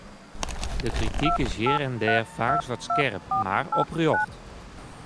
De krityk is hjir en dêr faaks wat skerp, mar oprjocht.